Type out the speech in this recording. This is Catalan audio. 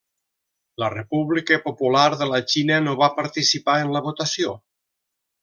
La República Popular de la Xina no va participar en la votació.